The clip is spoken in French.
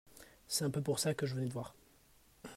C’est un peu pour ça que je venais te voir.